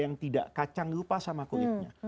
yang tidak kacang lupa sama kulitnya